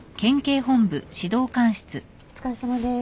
お疲れさまです。